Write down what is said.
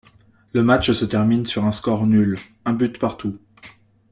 Le match se termine sur un score nul, un but partout.